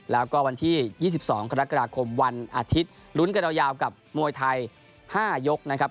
แล้วก็วันที่๒๒กรกฎาคมวันอาทิตย์ลุ้นกันยาวกับมวยไทย๕ยกนะครับ